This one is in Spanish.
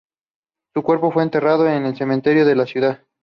Su cuerpo fue enterrado en el cementerio de la ciudad.